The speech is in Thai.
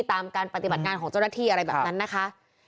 ตามการปฏิบัติงานของเจ้าหน้าที่อะไรแบบนั้นนะคะ